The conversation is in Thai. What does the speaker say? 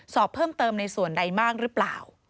สอบเพิ่มเติมในส่วนใดบ้างหรือเปล่า